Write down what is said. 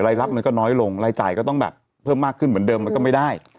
รับมันก็น้อยลงรายจ่ายก็ต้องแบบเพิ่มมากขึ้นเหมือนเดิมมันก็ไม่ได้